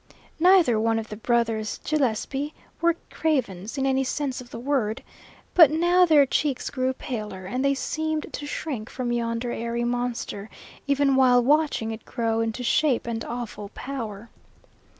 Neither one of the brothers Gillespie were cravens, in any sense of the word, but now their cheeks grew paler, and they seemed to shrink from yonder airy monster, even while watching it grow into shape and awful power.